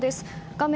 画面